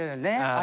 あ！